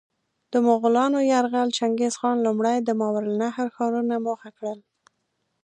د مغولانو یرغل: چنګیزخان لومړی د ماورالنهر ښارونه موخه کړل.